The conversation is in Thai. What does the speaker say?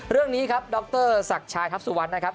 เรื่องนี้ครับดรศักดิ์ชายทัพสุวรรณนะครับ